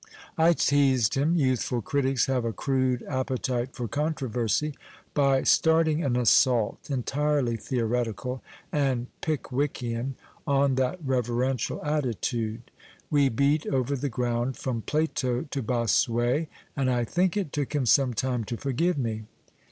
I teazed him (youthful critics have a crude appetite for controversy) by starting an assault, entirely theoretical and Pick wickian, on that reverential attitude ; we beat over the ground from Plato to Bossuet ; and I think it took him some time to forgive me.